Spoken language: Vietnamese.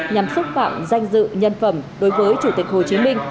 nhằm xúc phạm danh dự nhân phẩm đối với chủ tịch hồ chí minh